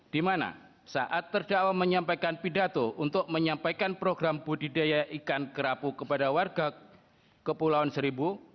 di mana saat terdakwa menyampaikan pidato untuk menyampaikan program budidaya ikan kerapu kepada warga kepulauan seribu